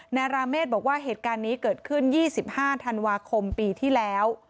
ราเมฆบอกว่าเหตุการณ์นี้เกิดขึ้น๒๕ธันวาคมปีที่แล้ว